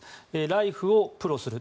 ライフをプロする。